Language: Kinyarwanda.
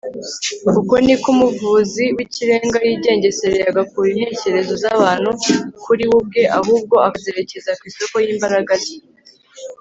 uko ni ko umuvuzi w'ikirenga yigengesereye agakura intekerezo z'abantu kuri we ubwe ahubwo akazerekeza ku isoko y'imbaraga ze